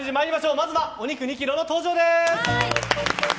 まずはお肉２ｋｇの登場です！